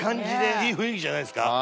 いい雰囲気じゃないですか？